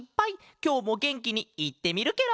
きょうもげんきにいってみるケロ！